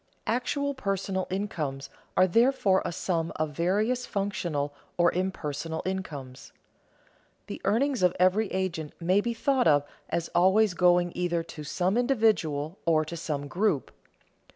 Actual personal incomes are therefore a sum of various functional or impersonal incomes. The earnings of every agent may be thought of as always going either to some individual or to some group.